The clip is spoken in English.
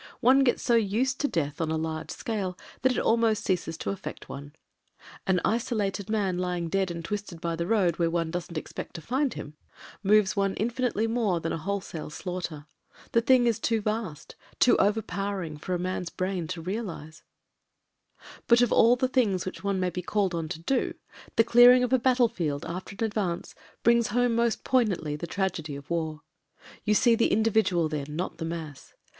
One gets so used to death on a large scale that it almost ceases to affect one. An isolated man lying dead and twisted by the road, where one doesn't expect to find him, moves one infinitely more than a wholesale slaughter. The thing is too vast, too overpowering for a man's brain to realise. ••••• But of all the things which one may be called on to do, th« ckaring of a battlefield after an advance brings 302 ' MEN, WOMEN AND GUNS home most poignantly the tragedy of war. You sec the individual then, not the mass.